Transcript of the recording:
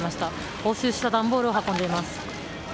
押収した段ボールを運んでいます。